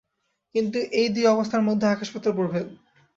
কিন্তু এই দুই অবস্থার মধ্যে আকাশ-পাতাল প্রভেদ।